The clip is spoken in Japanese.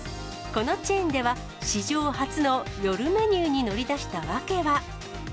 このチェーンでは、史上初の夜メニューに乗り出した訳は。